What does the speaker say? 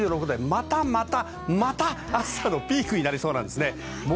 またまた、また暑さのピークになりそうです。